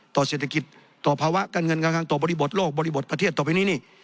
ต่อเศรษฐกิจต่อภาวะการเงินการคังต่อบริบทโลกบริบทประเทศต่อไปนี้นี่